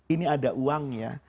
ini ada uangnya